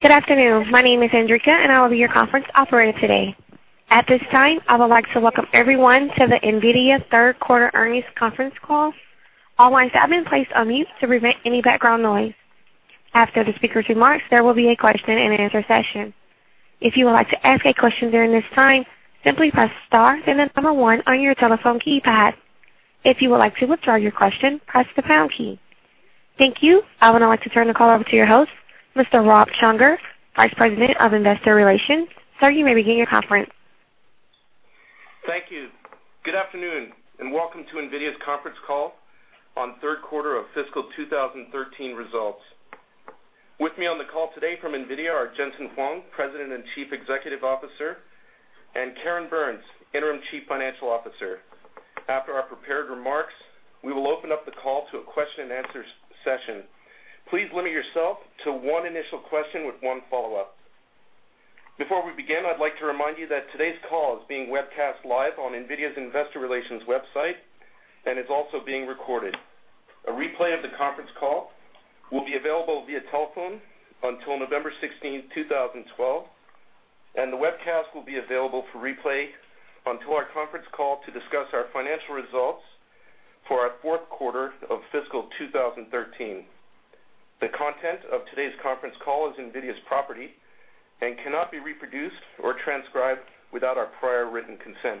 Good afternoon. My name is Andrica, and I will be your conference operator today. At this time, I would like to welcome everyone to the NVIDIA third quarter earnings conference call. All lines have been placed on mute to prevent any background noise. After the speakers' remarks, there will be a question and answer session. If you would like to ask a question during this time, simply press star and the number 1 on your telephone keypad. If you would like to withdraw your question, press the pound key. Thank you. I would now like to turn the call over to your host, Mr. Rob Csongor, Vice President of Investor Relations. Sir, you may begin your conference. Thank you. Good afternoon, and welcome to NVIDIA's conference call on third quarter of fiscal 2013 results. With me on the call today from NVIDIA are Jen-Hsun Huang, President and Chief Executive Officer, and Karen Burns, Interim Chief Financial Officer. After our prepared remarks, we will open up the call to a question and answer session. Please limit yourself to one initial question with one follow-up. Before we begin, I'd like to remind you that today's call is being webcast live on NVIDIA's investor relations website and is also being recorded. A replay of the conference call will be available via telephone until November 16th, 2012, and the webcast will be available for replay until our conference call to discuss our financial results for our fourth quarter of fiscal 2013. The content of today's conference call is NVIDIA's property and cannot be reproduced or transcribed without our prior written consent.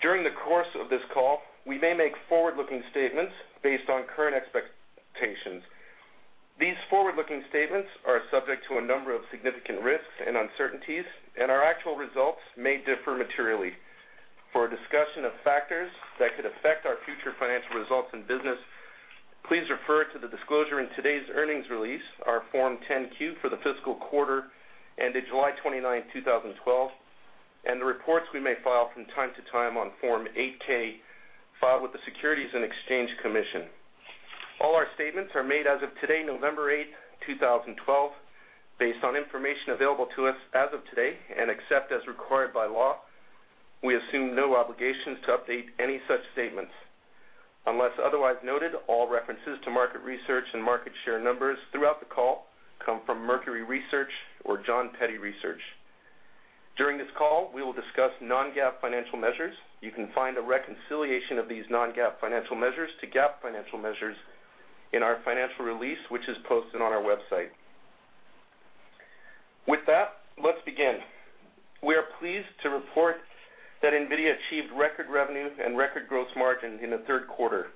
During the course of this call, we may make forward-looking statements based on current expectations. These forward-looking statements are subject to a number of significant risks and uncertainties, and our actual results may differ materially. For a discussion of factors that could affect our future financial results and business, please refer to the disclosure in today's earnings release, our Form 10-Q for the fiscal quarter ending July 29, 2012, and the reports we may file from time to time on Form 8-K filed with the Securities and Exchange Commission. All our statements are made as of today, November 8, 2012. Based on information available to us as of today, and except as required by law, we assume no obligations to update any such statements. Unless otherwise noted, all references to market research and market share numbers throughout the call come from Mercury Research or Jon Peddie Research. During this call, we will discuss non-GAAP financial measures. You can find a reconciliation of these non-GAAP financial measures to GAAP financial measures in our financial release, which is posted on our website. With that, let's begin. We are pleased to report that NVIDIA achieved record revenue and record gross margin in the third quarter,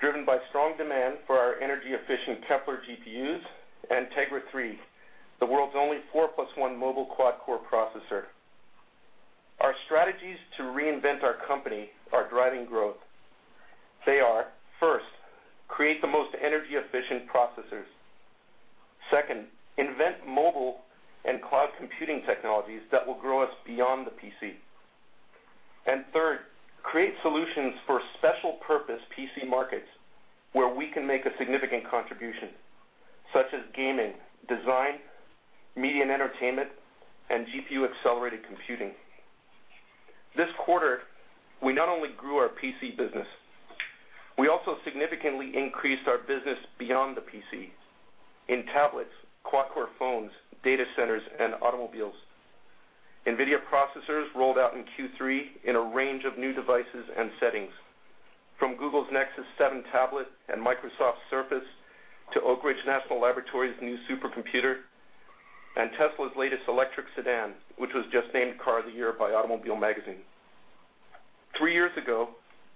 driven by strong demand for our energy-efficient Kepler GPUs and Tegra 3, the world's only four plus one mobile quad-core processor. Our strategies to reinvent our company are driving growth. They are, first, create the most energy-efficient processors. Second, invent mobile and cloud computing technologies that will grow us beyond the PC. Third, create solutions for special-purpose PC markets where we can make a significant contribution, such as gaming, design, media and entertainment, and GPU-accelerated computing. This quarter, we not only grew our PC business, we also significantly increased our business beyond the PC in tablets, quad-core phones, data centers, and automobiles. NVIDIA processors rolled out in Q3 in a range of new devices and settings, from Google's Nexus 7 tablet and Microsoft Surface to Oak Ridge National Laboratory's new supercomputer and Tesla's latest electric sedan, which was just named Car of the Year by Automobile Magazine. Three years ago,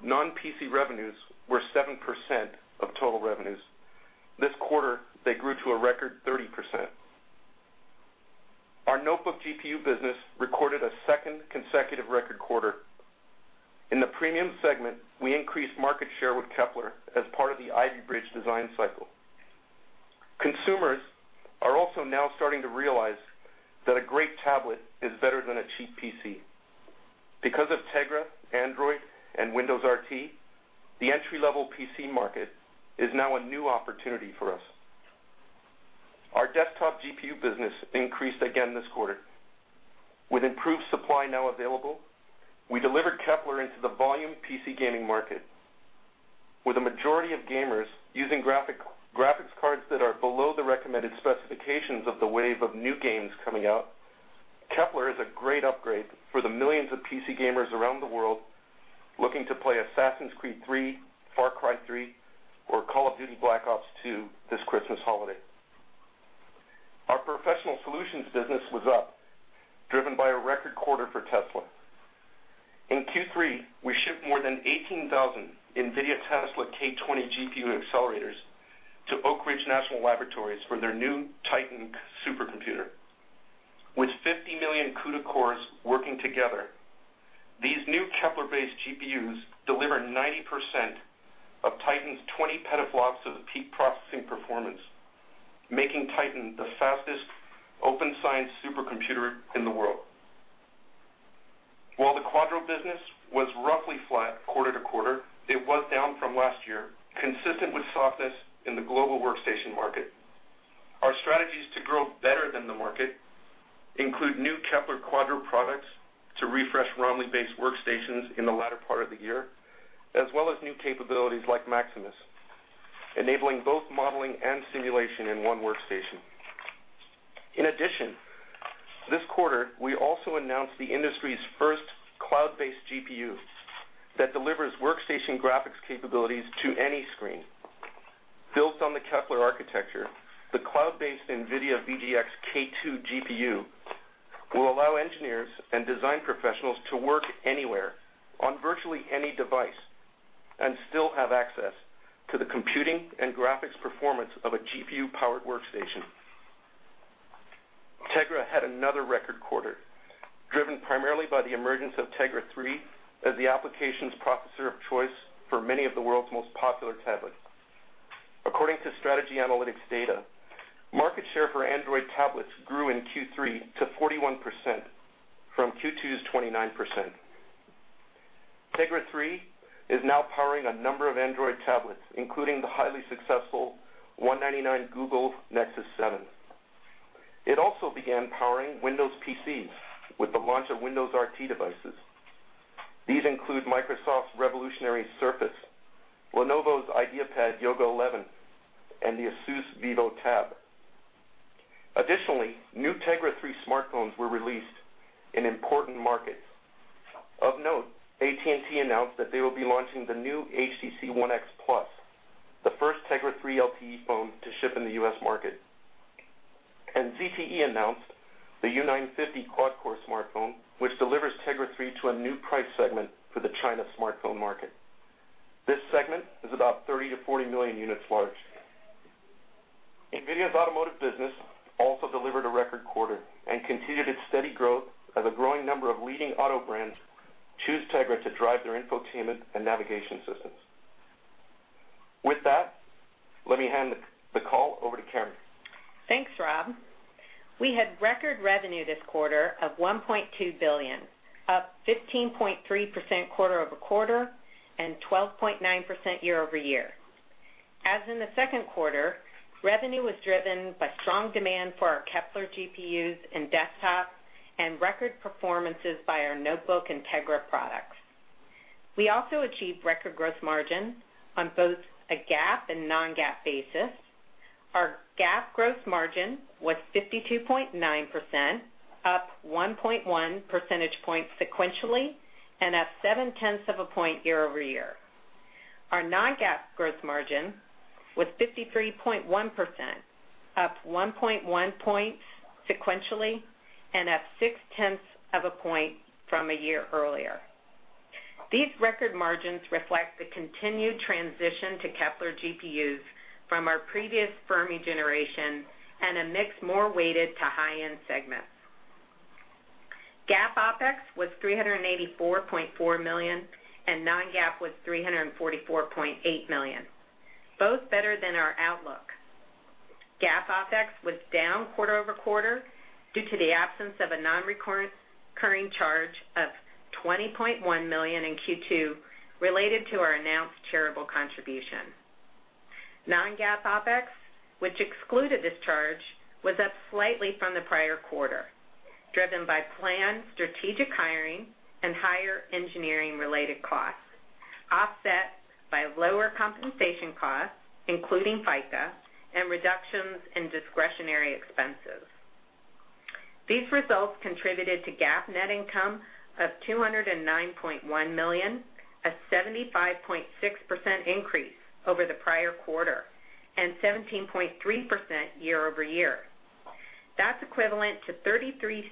non-PC revenues were 7% of total revenues. This quarter, they grew to a record 30%. Our notebook GPU business recorded a second consecutive record quarter. In the premium segment, we increased market share with Kepler as part of the Ivy Bridge design cycle. Consumers are also now starting to realize that a great tablet is better than a cheap PC. Because of Tegra, Android, and Windows RT, the entry-level PC market is now a new opportunity for us. Our desktop GPU business increased again this quarter. With improved supply now available, we delivered Kepler into the volume PC gaming market. With a majority of gamers using graphics cards that are below the recommended specifications of the wave of new games coming out, Kepler is a great upgrade for the millions of PC gamers around the world looking to play Assassin's Creed III, Far Cry 3, or Call of Duty Black Ops II this Christmas holiday. Our Professional Solutions Business was up, driven by a record quarter for Tesla. In Q3, we shipped more than 18,000 NVIDIA Tesla K20 GPU accelerators to Oak Ridge National Laboratory for their new Titan supercomputer. With 50 million CUDA cores working together, these new Kepler-based GPUs deliver 90% of Titan's 20 petaflops of peak processing performance, making Titan the fastest open science supercomputer in the world. While the Quadro business was roughly flat quarter-to-quarter, it was down from last year, consistent with softness in the global workstation market. Our strategy is to grow better than the market. Include new Kepler Quadro products to refresh Romley-based workstations in the latter part of the year, as well as new capabilities like Maximus, enabling both modeling and simulation in one workstation. In addition, this quarter, we also announced the industry's first cloud-based GPU that delivers workstation graphics capabilities to any screen. Built on the Kepler architecture, the cloud-based NVIDIA VGX K2 GPU will allow engineers and design professionals to work anywhere on virtually any device and still have access to the computing and graphics performance of a GPU-powered workstation. Tegra had another record quarter, driven primarily by the emergence of Tegra 3 as the applications processor of choice for many of the world's most popular tablets. According to Strategy Analytics data, market share for Android tablets grew in Q3 to 41%, from Q2's 29%. Tegra 3 is now powering a number of Android tablets, including the highly successful $199 Google Nexus 7. It also began powering Windows PCs with the launch of Windows RT devices. These include Microsoft's revolutionary Surface, Lenovo's IdeaPad Yoga 11, and the ASUS VivoTab. Additionally, new Tegra 3 smartphones were released in important markets. Of note, AT&T announced that they will be launching the new HTC One X Plus, the first Tegra 3 LTE phone to ship in the U.S. market. ZTE announced the U950 quad core smartphone, which delivers Tegra 3 to a new price segment for the China smartphone market. This segment is about 30-40 million units large. NVIDIA's automotive business also delivered a record quarter and continued its steady growth as a growing number of leading auto brands choose Tegra to drive their infotainment and navigation systems. With that, let me hand the call over to Karen. Thanks, Rob. We had record revenue this quarter of $1.2 billion, up 15.3% quarter-over-quarter and 12.9% year-over-year. As in the second quarter, revenue was driven by strong demand for our Kepler GPUs in desktops and record performances by our notebook and Tegra products. We also achieved record gross margin on both a GAAP and non-GAAP basis. Our GAAP gross margin was 52.9%, up 1.1 percentage points sequentially and up seven-tenths of a point year-over-year. Our non-GAAP gross margin was 53.1%, up 1.1 points sequentially and up six-tenths of a point from a year earlier. These record margins reflect the continued transition to Kepler GPUs from our previous Fermi generation and a mix more weighted to high-end segments. GAAP OpEx was $384.4 million, and non-GAAP was $344.8 million, both better than our outlook. GAAP OpEx was down quarter-over-quarter due to the absence of a non-recurring charge of $20.1 million in Q2 related to our announced charitable contribution. Non-GAAP OpEx, which excluded this charge, was up slightly from the prior quarter, driven by planned strategic hiring and higher engineering-related costs, offset by lower compensation costs, including FICA, and reductions in discretionary expenses. These results contributed to GAAP net income of $209.1 million, a 75.6% increase over the prior quarter, and 17.3% year-over-year. That's equivalent to $0.33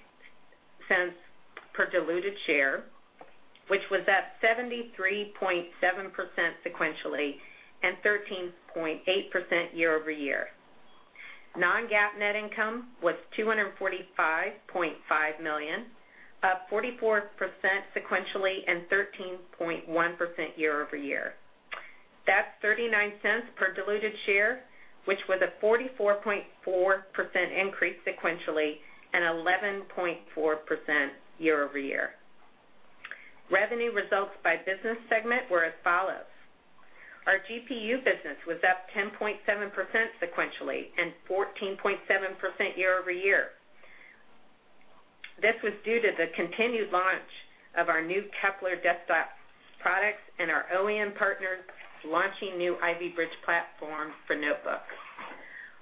per diluted share, which was up 73.7% sequentially and 13.8% year-over-year. Non-GAAP net income was $245.5 million, up 44% sequentially and 13.1% year-over-year. That's $0.39 per diluted share, which was a 44.4% increase sequentially and 11.4% year-over-year. Revenue results by business segment were as follows. Our GPU Business was up 10.7% sequentially and 14.7% year-over-year. This was due to the continued launch of our new Kepler desktop products and our OEM partners launching new Ivy Bridge platform for notebooks.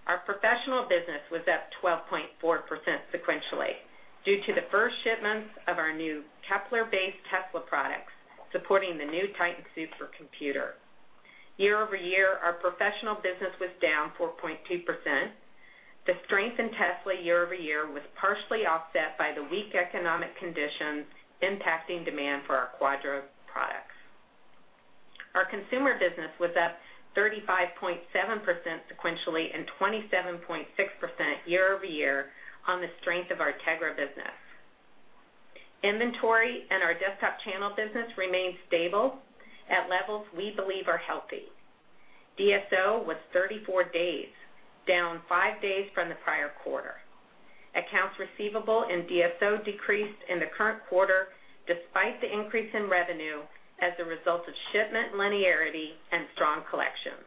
Our Professional Solutions Business was up 12.4% sequentially due to the first shipments of our new Kepler-based Tesla products supporting the new Titan supercomputer. Year-over-year, our Professional Solutions Business was down 4.2%. The strength in Tesla year-over-year was partially offset by the weak economic conditions impacting demand for our Quadro products. Our Consumer Products Business was up 35.7% sequentially and 27.6% year-over-year on the strength of our Tegra business. Inventory and our desktop channel business remained stable at levels we believe are healthy. DSO was 34 days, down five days from the prior quarter. Accounts receivable and DSO decreased in the current quarter despite the increase in revenue as a result of shipment linearity and strong collections.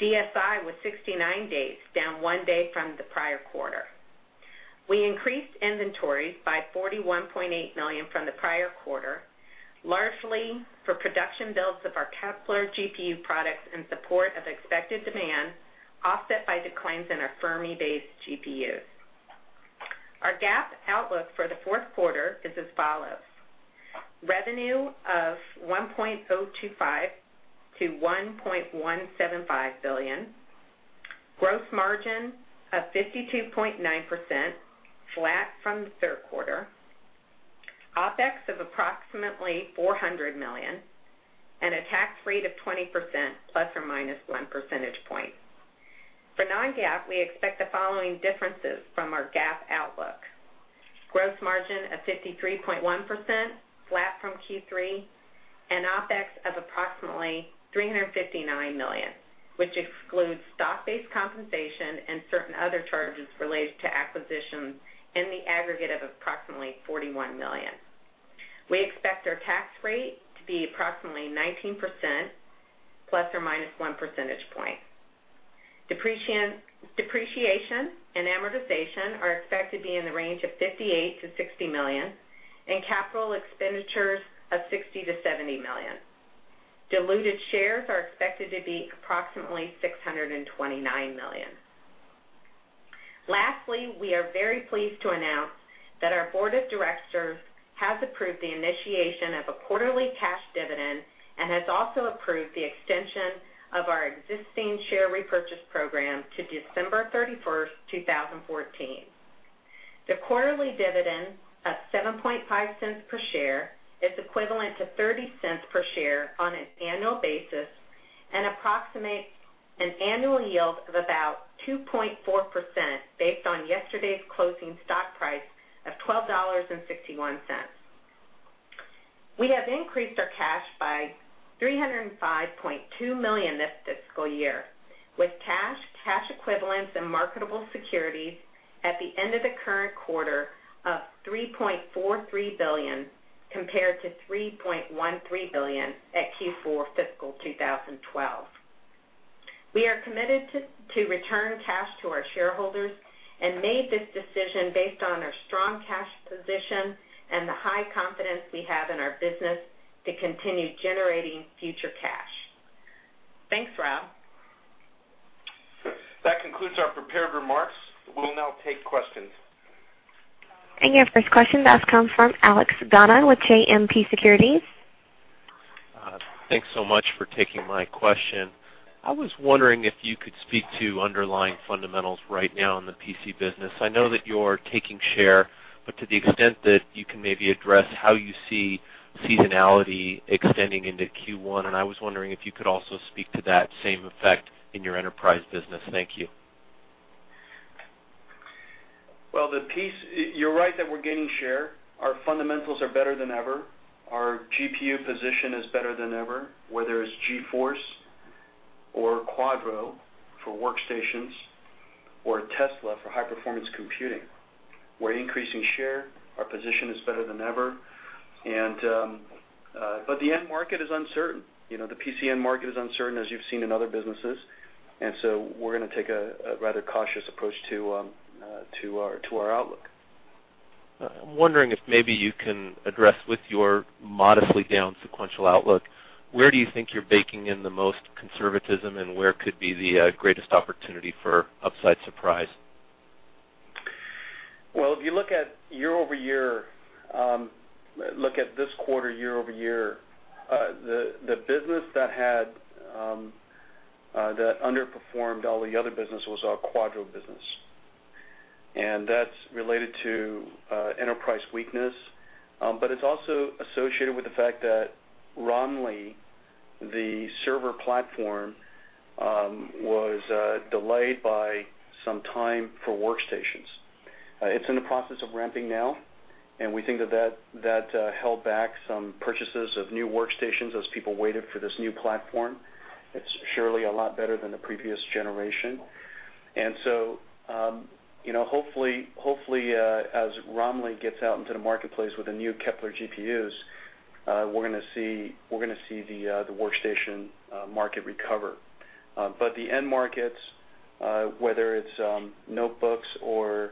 DSI was 69 days, down one day from the prior quarter. We increased inventories by $41.8 million from the prior quarter, largely for production builds of our Kepler GPU products in support of expected demand, offset by declines in our Fermi-based GPUs. Our GAAP outlook for the fourth quarter is as follows. Revenue of $1.025 billion-$1.175 billion, gross margin of 52.9%, flat from the third quarter, OPEX of approximately $400 million, and a tax rate of 20%, plus or minus one percentage point. For non-GAAP, we expect the following differences from our GAAP outlook. Gross margin of 53.1%, flat from Q3, and OPEX of approximately $359 million, which excludes stock-based compensation and certain other charges related to acquisitions in the aggregate of approximately $41 million. We expect our tax rate to be approximately 19%, plus or minus one percentage point. Depreciation and amortization are expected to be in the range of $58 million-$60 million, and capital expenditures of $60 million-$70 million. Diluted shares are expected to be approximately 629 million. Lastly, we are very pleased to announce that our board of directors has approved the initiation of a quarterly cash dividend and has also approved the extension of our existing share repurchase program to December 31, 2014. The quarterly dividend of $0.075 per share is equivalent to $0.30 per share on an annual basis and approximates an annual yield of about 2.4%, based on yesterday's closing stock price of $12.61. We have increased our cash by $305.2 million this fiscal year, with cash equivalents, and marketable securities at the end of the current quarter of $3.43 billion, compared to $3.13 billion at Q4 fiscal 2012. We are committed to return cash to our shareholders and made this decision based on our strong cash position and the high confidence we have in our business to continue generating future cash. Thanks, Rob. That concludes our prepared remarks. We'll now take questions. Your first question does come from Alex Gauna with JMP Securities. Thanks so much for taking my question. I was wondering if you could speak to underlying fundamentals right now in the PC business. I know that you're taking share, but to the extent that you can maybe address how you see seasonality extending into Q1, I was wondering if you could also speak to that same effect in your enterprise business. Thank you. Well, you're right that we're gaining share. Our fundamentals are better than ever. Our GPU position is better than ever, whether it's GeForce or Quadro for workstations, or Tesla for high-performance computing. We're increasing share. Our position is better than ever. The end market is uncertain. The PC market is uncertain, as you've seen in other businesses. So we're going to take a rather cautious approach to our outlook. I'm wondering if maybe you can address with your modestly down sequential outlook, where do you think you're baking in the most conservatism, and where could be the greatest opportunity for upside surprise? Well, if you look at this quarter year-over-year, the business that underperformed all the other business was our Quadro business. That's related to enterprise weakness, it's also associated with the fact that Romley, the server platform, was delayed by some time for workstations. It's in the process of ramping now, we think that held back some purchases of new workstations as people waited for this new platform. It's surely a lot better than the previous generation. Hopefully, as Romley gets out into the marketplace with the new Kepler GPUs, we're going to see the workstation market recover. The end markets, whether it's notebooks or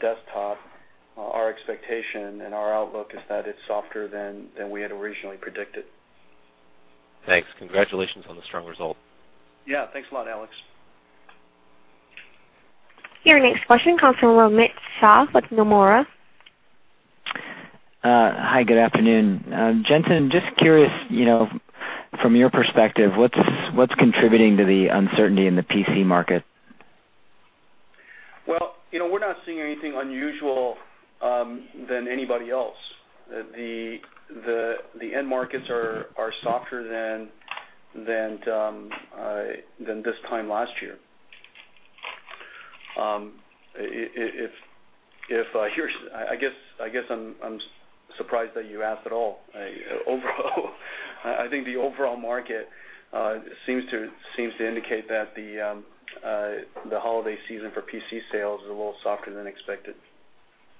desktop, our expectation and our outlook is that it's softer than we had originally predicted. Thanks. Congratulations on the strong result. Yeah. Thanks a lot, Alex. Your next question comes from Romit Shah with Nomura. Hi, good afternoon. Jensen, just curious, from your perspective, what's contributing to the uncertainty in the PC market? Well, we're not seeing anything unusual than anybody else. The end markets are softer than this time last year. I guess I'm surprised that you asked at all. I think the overall market seems to indicate that the holiday season for PC sales is a little softer than expected.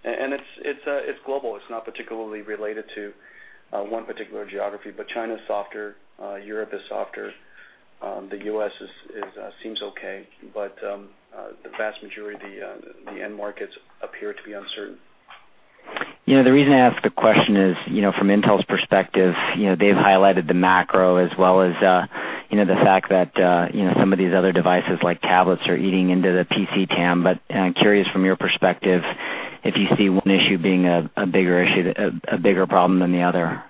It's global. It's not particularly related to one particular geography, China's softer, Europe is softer. The U.S. seems okay, but the vast majority of the end markets appear to be uncertain. The reason I ask the question is, from Intel's perspective, they've highlighted the macro as well as the fact that some of these other devices, like tablets, are eating into the PC TAM, I'm curious from your perspective, if you see one issue being a bigger problem than the other.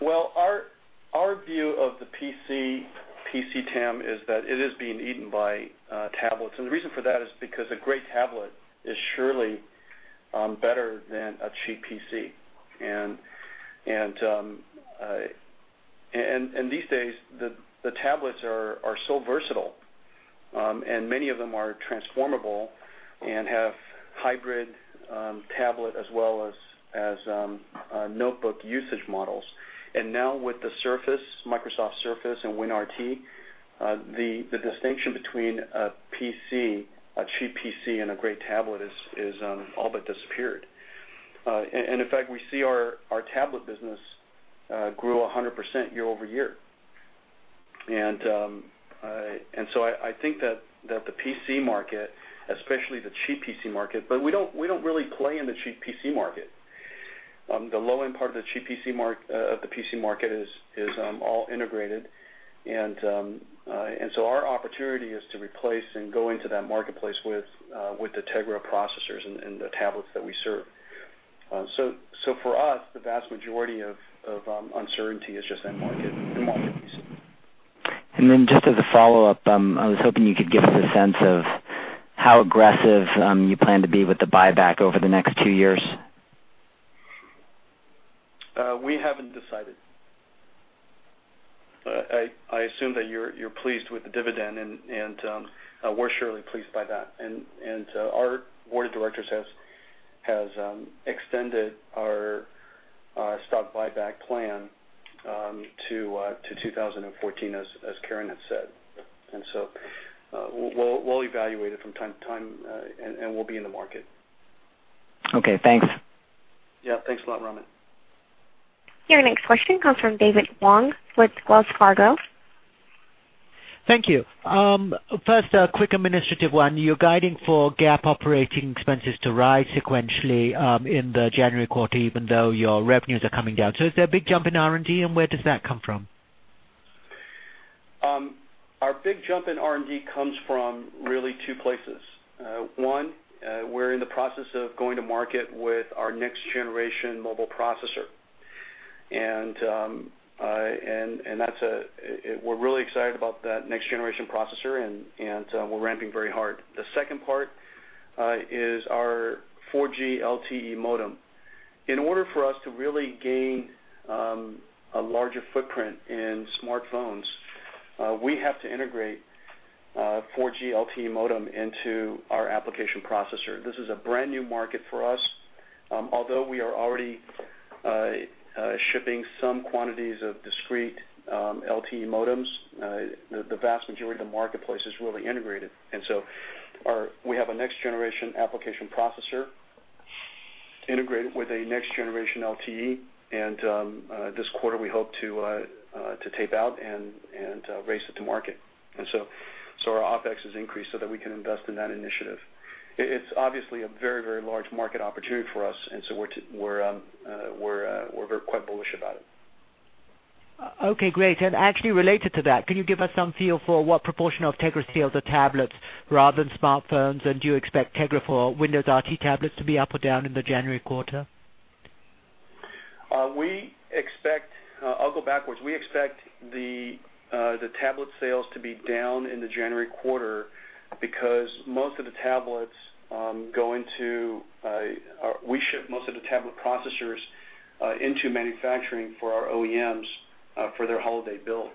Well, our view of the PC TAM is that it is being eaten by tablets, and the reason for that is because a great tablet is surely better than a cheap PC. These days, the tablets are so versatile, and many of them are transformable and have hybrid tablet as well as notebook usage models. Now with the Microsoft Surface and WinRT, the distinction between a cheap PC and a great tablet has all but disappeared. In fact, we see our tablet business grew 100% year-over-year. I think that the PC market, especially the cheap PC market, we don't really play in the cheap PC market. The low-end part of the PC market is all integrated, our opportunity is to replace and go into that marketplace with the Tegra processors and the tablets that we serve. For us, the vast majority of uncertainty is just end market and market piece. Just as a follow-up, I was hoping you could give us a sense of how aggressive you plan to be with the buyback over the next two years. We haven't decided. I assume that you're pleased with the dividend, and we're surely pleased by that. Our board of directors has extended our stock buyback plan to 2014, as Karen had said. We'll evaluate it from time to time, and we'll be in the market. Okay, thanks. Yeah, thanks a lot, Romit. Your next question comes from David Wong with Wells Fargo. Thank you. First, a quick administrative one. You're guiding for GAAP operating expenses to rise sequentially in the January quarter, even though your revenues are coming down. Is there a big jump in R&D, and where does that come from? Our big jump in R&D comes from really two places. One, we're in the process of going to market with our next-generation mobile processor. We're really excited about that next-generation processor, and we're ramping very hard. The second part is our 4G LTE modem. In order for us to really gain a larger footprint in smartphones, we have to integrate 4G LTE modem into our application processor. This is a brand new market for us. Although we are already shipping some quantities of discrete LTE modems, the vast majority of the marketplace is really integrated. We have a next-generation application processor integrated with a next-generation LTE, and this quarter, we hope to tape out and race it to market. Our OpEx has increased so that we can invest in that initiative. It's obviously a very large market opportunity for us, and so we're quite bullish about it. Okay, great. Actually related to that, can you give us some feel for what proportion of Tegra sales are tablets rather than smartphones, and do you expect Tegra for Windows RT tablets to be up or down in the January quarter? I'll go backwards. We expect the tablet sales to be down in the January quarter because we ship most of the tablet processors into manufacturing for our OEMs, for their holiday build.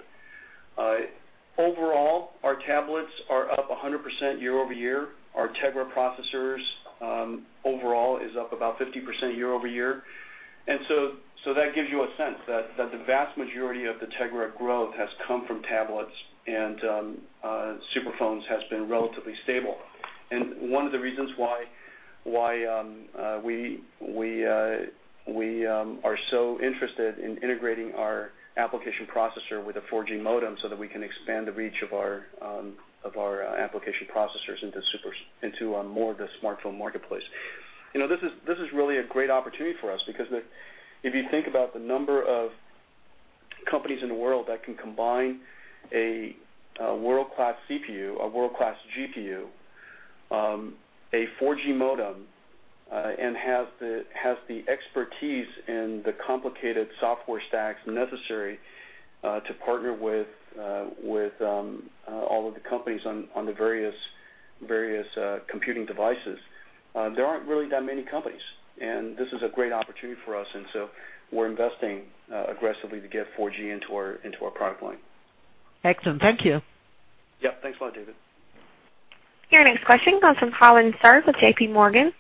Overall, our tablets are up 100% year-over-year. Our Tegra processors overall are up about 50% year-over-year. So that gives you a sense that the vast majority of the Tegra growth has come from tablets, and super phones have been relatively stable. One of the reasons why we are so interested in integrating our application processor with a 4G modem so that we can expand the reach of our application processors into more of the smartphone marketplace. This is really a great opportunity for us because if you think about the number of companies in the world that can combine a world-class CPU, a world-class GPU, a 4G modem, and have the expertise in the complicated software stacks necessary to partner with all of the companies on the various computing devices, there aren't really that many companies, and this is a great opportunity for us, and so we're investing aggressively to get 4G into our product line. Excellent. Thank you. Yep. Thanks a lot, David. Your next question comes from Harlan Sur with J.P. Morgan.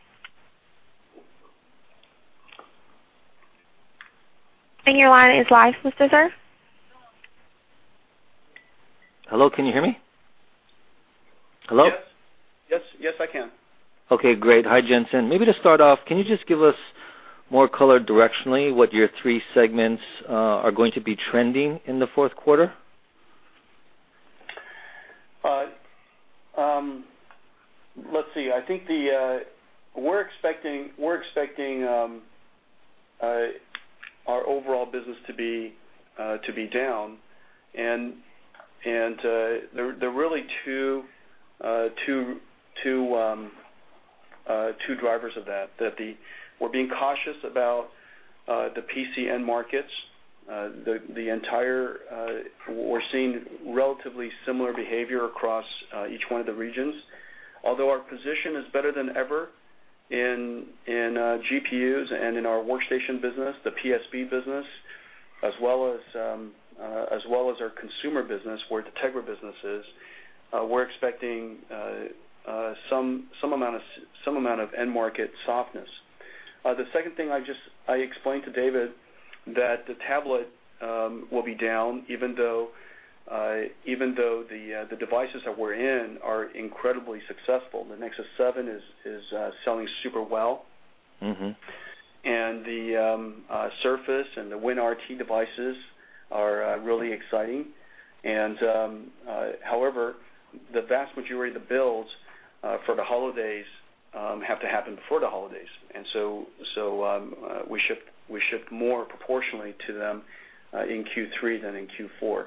Your line is live, Mr. Sur. Hello, can you hear me? Hello? Yes. Yes, I can. Okay, great. Hi, Jensen. To start off, can you just give us more color directionally what your three segments are going to be trending in the fourth quarter? Let's see. I think we're expecting our overall business to be down. There are really two drivers of that. We're being cautious about the PC markets. We're seeing relatively similar behavior across each one of the regions. Although our position is better than ever in GPUs and in our workstation business, the PSB business, as well as our consumer business, where the Tegra business is, we're expecting some amount of end market softness. The second thing I explained to David that the tablet will be down even though the devices that we're in are incredibly successful. The Nexus 7 is selling super well. The Surface and the WinRT devices are really exciting. However, the vast majority of the builds for the holidays have to happen before the holidays. We ship more proportionally to them in Q3 than in Q4.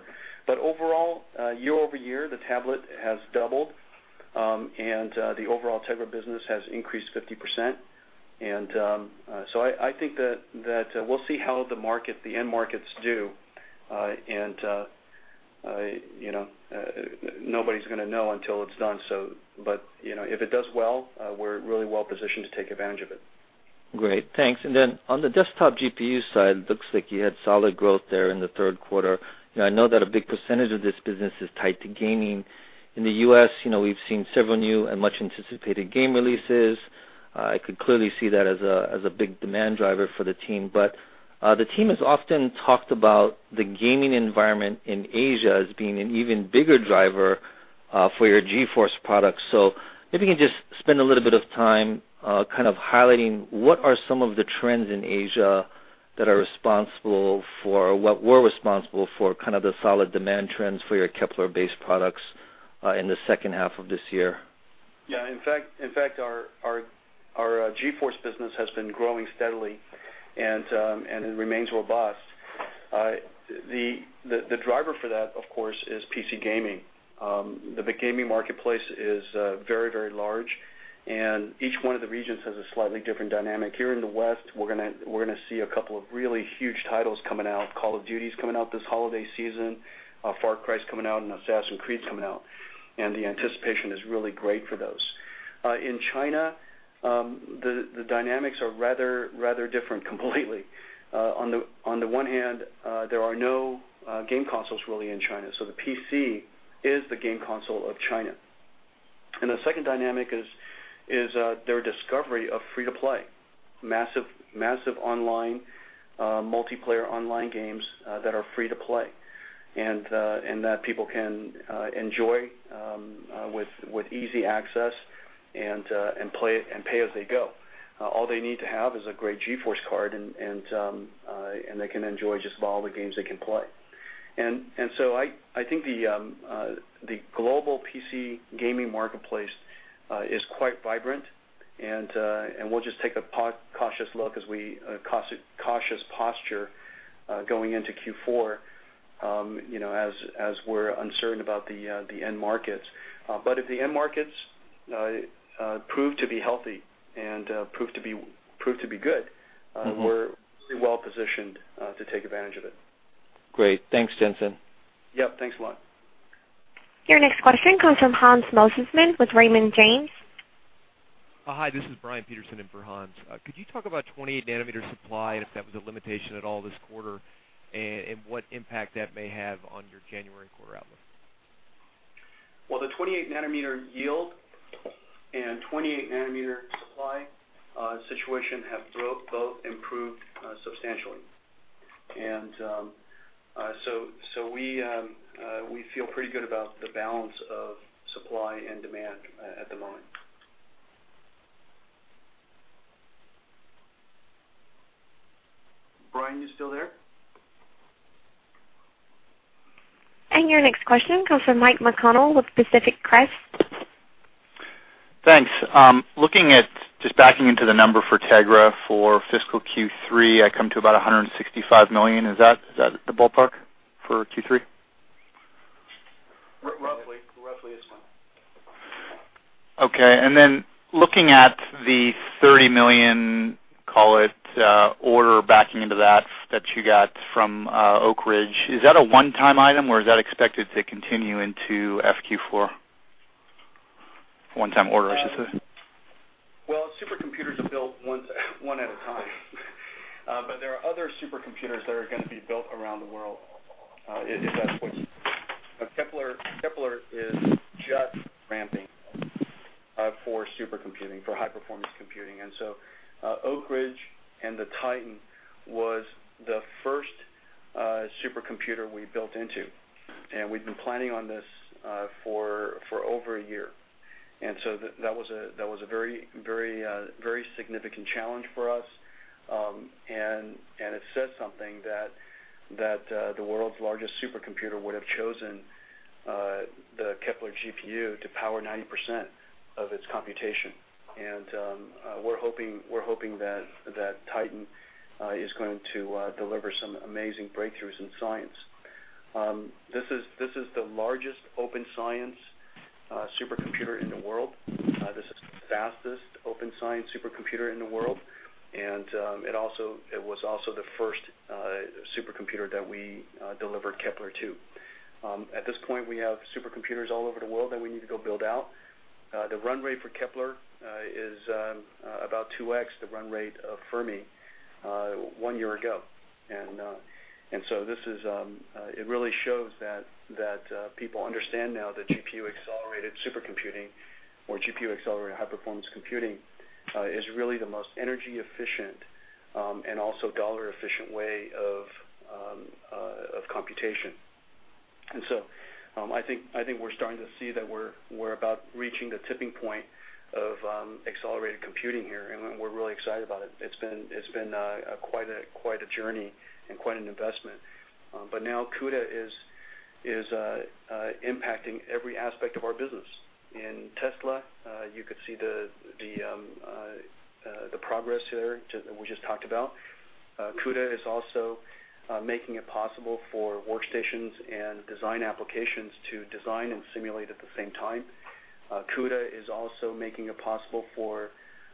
Overall, year-over-year, the tablet has doubled, and the overall Tegra business has increased 50%. I think that we'll see how the end markets do. Nobody's going to know until it's done. If it does well, we're really well-positioned to take advantage of it. Great, thanks. Then on the desktop GPU side, looks like you had solid growth there in the third quarter. I know that a big percentage of this business is tied to gaming. In the U.S., we've seen several new and much-anticipated game releases. I could clearly see that as a big demand driver for the team, but the team has often talked about the gaming environment in Asia as being an even bigger driver for your GeForce products. Maybe you can just spend a little bit of time highlighting what are some of the trends in Asia that were responsible for the solid demand trends for your Kepler-based products in the second half of this year? Yeah. In fact, our GeForce business has been growing steadily and remains robust. The driver for that, of course, is PC gaming. The gaming marketplace is very large, and each one of the regions has a slightly different dynamic. Here in the West, we're going to see a couple of really huge titles coming out. Call of Duty's coming out this holiday season, Far Cry's coming out, and Assassin's Creed's coming out. The anticipation is really great for those. In China, the dynamics are rather different completely. On the one hand, there are no game consoles really in China, so the PC is the game console of China. The second dynamic is their discovery of free-to-play, massive online, multiplayer online games that are free to play, and that people can enjoy with easy access and pay as they go. All they need to have is a great GeForce card, and they can enjoy just about all the games they can play. I think the global PC gaming marketplace is quite vibrant, and we'll just take a cautious look, cautious posture, going into Q4, as we're uncertain about the end markets. If the end markets prove to be healthy and prove to be good. We're pretty well positioned to take advantage of it. Great. Thanks, Jensen. Yep. Thanks a lot. Your next question comes from Hans Mosesmann with Raymond James. Hi, this is Brian Peterson in for Hans. Could you talk about 28 nanometer supply and if that was a limitation at all this quarter, and what impact that may have on your January quarter outlook? Well, the 28 nanometer yield and 28 nanometer supply situation have both improved substantially. We feel pretty good about the balance of supply and demand at the moment. Brian, you still there? Your next question comes from Michael McConnell with Pacific Crest. Thanks. Looking at just backing into the number for Tegra for fiscal Q3, I come to about $165 million. Is that the ballpark for Q3? Roughly. Roughly, it's fine. Okay. Looking at the $30 million, call it, order backing into that you got from Oak Ridge. Is that a one-time item, or is that expected to continue into FQ 4? One-time order, I should say. Well, supercomputers are built one at a time. There are other supercomputers that are going to be built around the world. Kepler is just ramping for supercomputing, for high-performance computing. Oak Ridge and the Titan was the first supercomputer we built into, and we'd been planning on this for over a year. That was a very significant challenge for us. It says something that the world's largest supercomputer would have chosen the Kepler GPU to power 90% of its computation. We're hoping that Titan is going to deliver some amazing breakthroughs in science. This is the largest open science supercomputer in the world. This is the fastest open science supercomputer in the world, and it was also the first supercomputer that we delivered Kepler to. At this point, we have supercomputers all over the world that we need to go build out. The run rate for Kepler is about 2x the run rate of Fermi one year ago. It really shows that people understand now that GPU-accelerated supercomputing or GPU-accelerated high-performance computing is really the most energy efficient and also dollar-efficient way of computation. I think we're starting to see that we're about reaching the tipping point of accelerated computing here, and we're really excited about it. It's been quite a journey and quite an investment. Now CUDA is impacting every aspect of our business. In Tesla, you could see the progress there that we just talked about. CUDA is also making it possible for workstations and design applications to design and simulate at the same time. CUDA is also making it possible for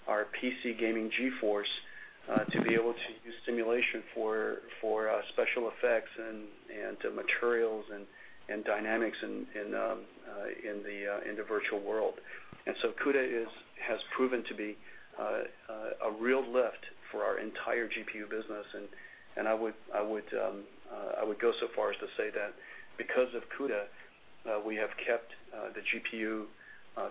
our PC gaming GeForce to be able to use simulation for special effects and materials and dynamics in the virtual world. CUDA has proven to be a real lift for our entire GPU business, and I would go so far as to say that because of CUDA, we have kept the GPU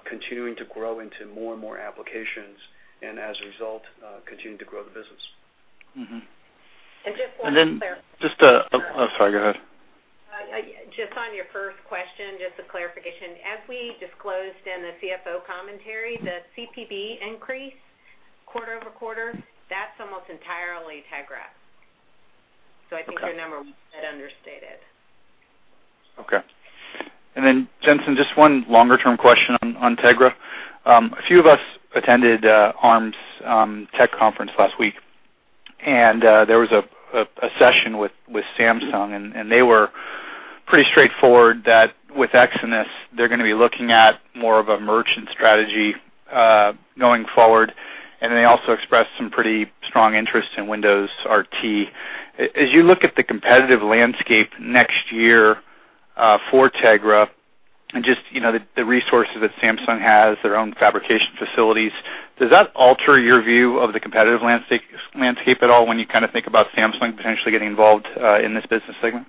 continuing to grow into more and more applications, and as a result, continuing to grow the business. Just one- I'm sorry, go ahead. Just on your first question, just a clarification. As we disclosed in the CFO commentary, the CPB increase quarter-over-quarter, that's almost entirely Tegra. Okay. I think your number was a bit understated. Okay. Jensen, just one longer-term question on Tegra. A few of us attended ARM's tech conference last week, there was a session with Samsung, and they were pretty straightforward that with Exynos, they're going to be looking at more of a merchant strategy going forward. They also expressed some pretty strong interest in Windows RT. As you look at the competitive landscape next year for Tegra and just the resources that Samsung has, their own fabrication facilities, does that alter your view of the competitive landscape at all when you think about Samsung potentially getting involved in this business segment?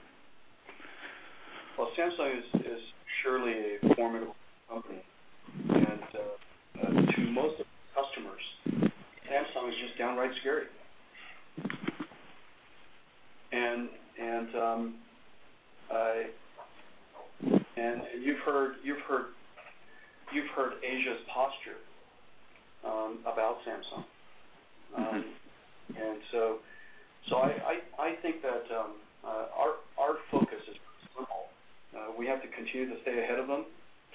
Samsung is surely a formidable company, to most of the customers, Samsung is just downright scary. You've heard ASUS's posture about Samsung. I think that our focus is pretty simple. We have to continue to stay ahead of them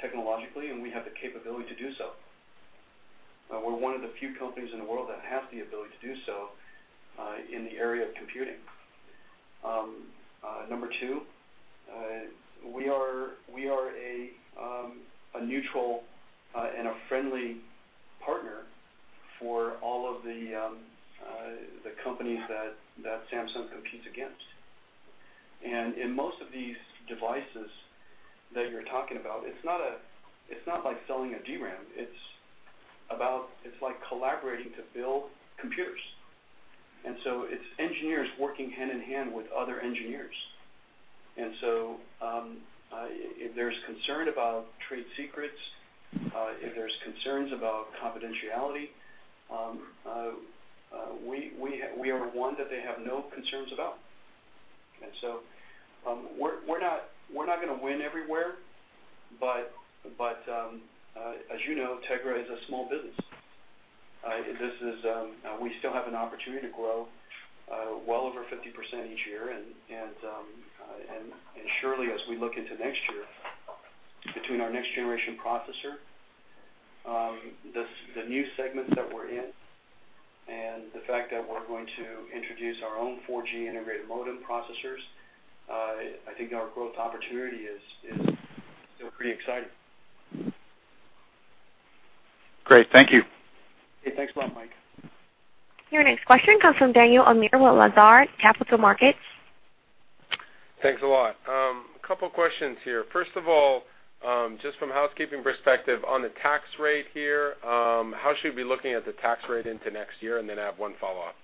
technologically, we have the capability to do so. We're one of the few companies in the world that have the ability to do so in the area of computing. Number 2, we are a neutral and a friendly partner for all of the companies that Samsung competes against. In most of these devices that you're talking about, it's not like selling a DRAM. It's like collaborating to build computers. It's engineers working hand in hand with other engineers. If there's concern about trade secrets, if there's concerns about confidentiality, we are one that they have no concerns about. We're not going to win everywhere, but as you know, Tegra is a small business. We still have an opportunity to grow well over 50% each year, surely as we look into next year, between our next-generation processor, the new segments that we're in, and the fact that we're going to introduce our own 4G integrated modem processors, I think our growth opportunity is still pretty exciting. Great. Thank you. Yeah, thanks a lot, Mike. Your next question comes from Daniel Amir with Lazard Capital Markets. Thanks a lot. A couple questions here. First of all, just from a housekeeping perspective on the tax rate here, how should we be looking at the tax rate into next year? I have one follow-up.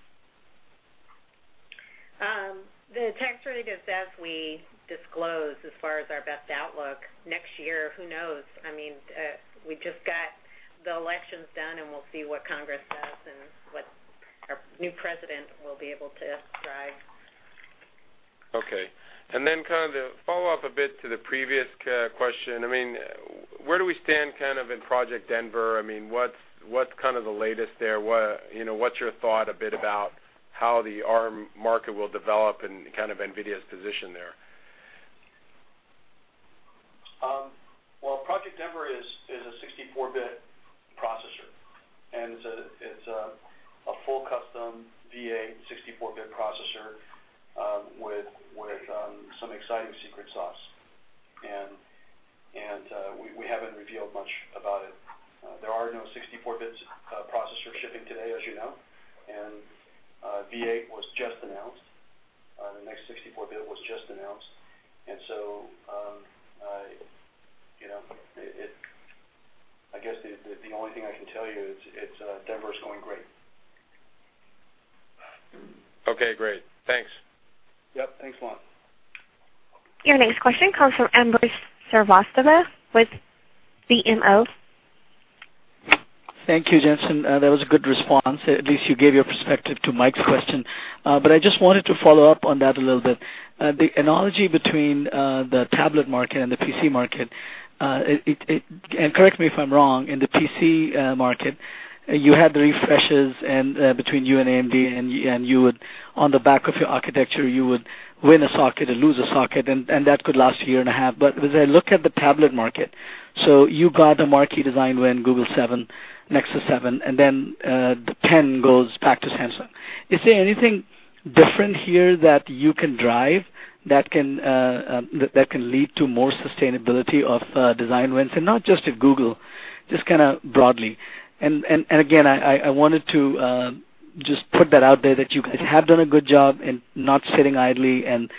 The tax rate is as we disclose as far as our best outlook. Next year, who knows? We just got the elections done, we'll see what Congress does and what our new president will be able to drive. Okay. To follow up a bit to the previous question, where do we stand in Project Denver? What's the latest there? What's your thought a bit about how the ARM market will develop and NVIDIA's position there? Well, Project Denver is a 64-bit processor, it's a full custom ARMv8 64-bit processor with some exciting secret sauce. We haven't revealed much about it. There are no 64-bit processors shipping today, as you know, ARMv8 was just announced. The next 64-bit was just announced, I guess the only thing I can tell you is Denver is going great. Okay, great. Thanks. Yep. Thanks a lot. Your next question comes from Ambrish Srivastava with BMO. Thank you, Jensen. That was a good response. At least you gave your perspective to Mike's question. I just wanted to follow up on that a little bit. The analogy between the tablet market and the PC market, correct me if I'm wrong, in the PC market, you had the refreshes between you and AMD, and on the back of your architecture, you would win a socket and lose a socket, and that could last a year and a half. As I look at the tablet market, so you got the marquee design win, Nexus 7, and then the 10 goes back to Samsung. Is there anything different here that you can drive that can lead to more sustainability of design wins? Not just at Google, just broadly. Again, I wanted to just put that out there that you guys have done a good job in not sitting idly and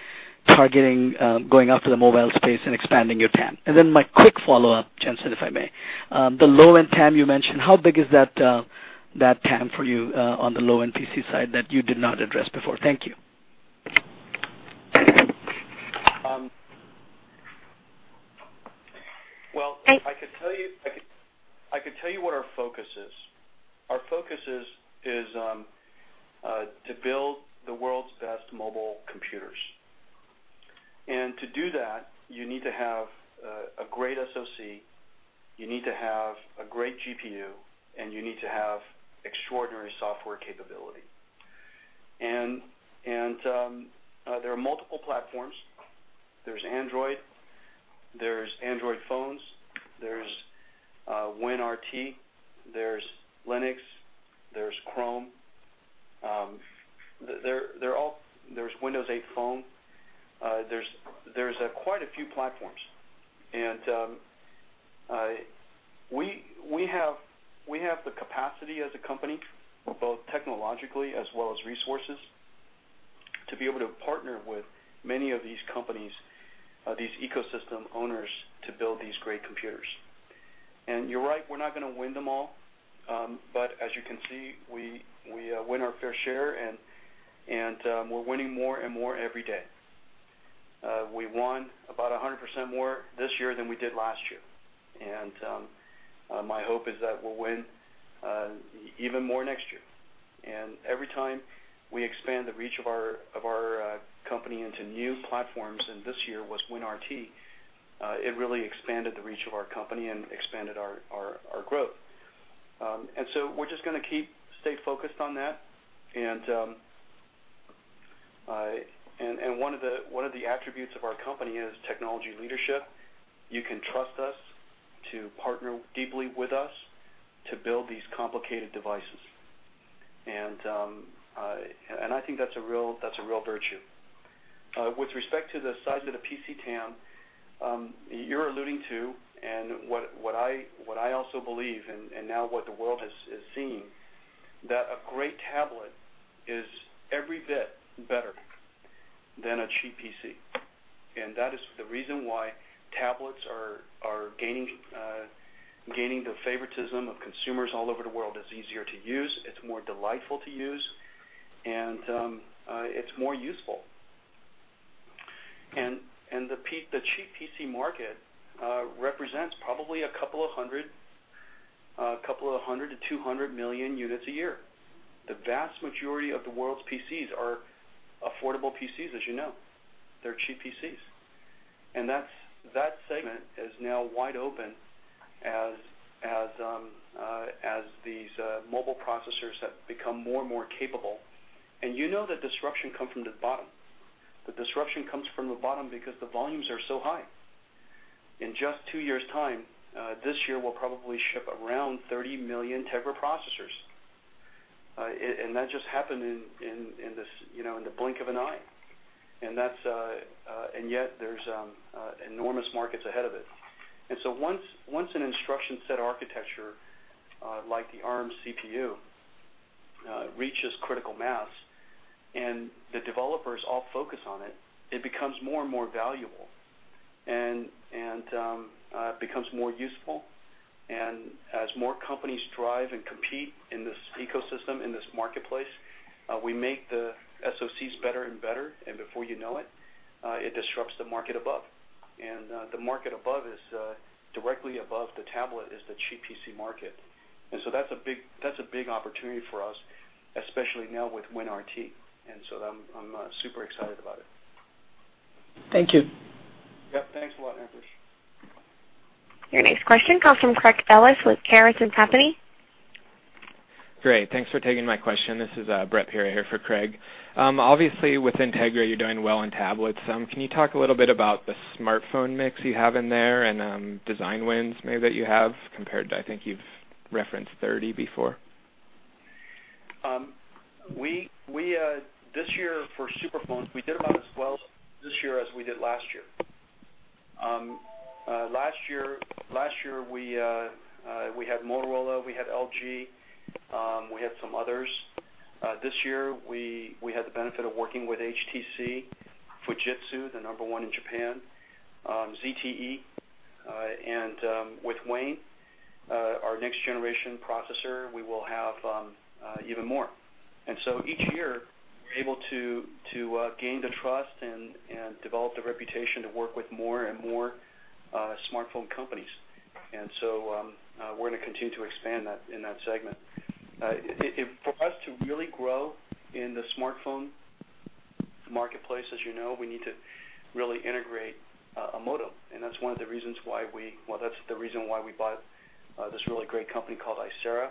targeting going after the mobile space and expanding your TAM. Then my quick follow-up, Jensen, if I may. The low-end TAM you mentioned, how big is that TAM for you on the low-end PC side that you did not address before? Thank you. Well, I could tell you what our focus is. Our focus is to build the world's best mobile computers. To do that, you need to have a great SoC, you need to have a great GPU, and you need to have extraordinary software capability. There are multiple platforms. There's Android, there's Android phones, there's WinRT, there's Linux, there's Chrome. There's Windows 8 phone. There's quite a few platforms. We have the capacity as a company, both technologically as well as resources, to be able to partner with many of these companies, these ecosystem owners, to build these great computers. You're right, we're not going to win them all. As you can see, we win our fair share, and we're winning more and more every day. We won about 100% more this year than we did last year. My hope is that we'll win even more next year. Every time we expand the reach of our company into new platforms, and this year was WinRT, it really expanded the reach of our company and expanded our growth. We're just going to keep stay focused on that, and one of the attributes of our company is technology leadership. You can trust us to partner deeply with us to build these complicated devices. I think that's a real virtue. With respect to the size of the PC TAM, you're alluding to, and what I also believe and now what the world is seeing, that a great tablet is every bit better than a cheap PC. That is the reason why tablets are gaining the favoritism of consumers all over the world. It's easier to use, it's more delightful to use, and it's more useful. The cheap PC market represents probably a couple of hundred to 200 million units a year. The vast majority of the world's PCs are affordable PCs, as you know. They're cheap PCs. That segment is now wide open as these mobile processors have become more and more capable. You know that disruption come from the bottom. The disruption comes from the bottom because the volumes are so high. In just two years' time, this year we'll probably ship around 30 million Tegra processors. That just happened in the blink of an eye. Yet there's enormous markets ahead of it. Once an instruction set architecture like the ARM CPU reaches critical mass and the developers all focus on it becomes more and more valuable and becomes more useful. As more companies thrive and compete in this ecosystem, in this marketplace, we make the SoCs better and better. Before you know it disrupts the market above. The market above is directly above the tablet, is the cheap PC market. That's a big opportunity for us, especially now with WinRT. I'm super excited about it. Thank you. Yep. Thanks a lot, Ambrish. Your next question comes from Craig Ellis with Caris & Company. Great. Thanks for taking my question. This is Brett Perry here for Craig. Obviously, with Tegra, you're doing well in tablets. Can you talk a little bit about the smartphone mix you have in there, and design wins maybe that you have compared to, I think you've referenced 30 before? This year for super phones, we did about as well this year as we did last year. Last year, we had Motorola, we had LG, we had some others. This year, we had the benefit of working with HTC, Fujitsu, the number 1 in Japan, ZTE, with Wayne, our next generation processor, we will have even more. Each year, we're able to gain the trust and develop the reputation to work with more and more smartphone companies. We're going to continue to expand in that segment. For us to really grow in the smartphone marketplace, as you know, we need to really integrate a modem. That's the reason why we bought this really great company called Icera.